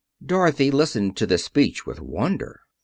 Dorothy listened to this speech with wonder.